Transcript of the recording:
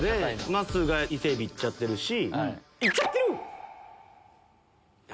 まっすーがイセエビ行っちゃってるし。